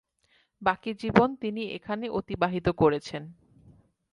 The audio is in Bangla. বাকি জীবন তিনি এখানে অতিবাহিত করেছেন।